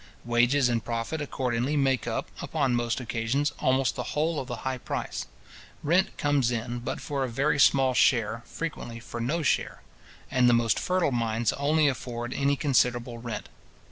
Wages and profit accordingly make up, upon most occasions, almost the whole of the high price. Rent comes in but for a very small share, frequently for no share; and the most fertile mines only afford any considerable rent.